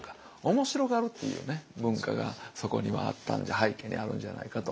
面白がるっていう文化がそこにはあった背景にあるんじゃないかと思いますよね。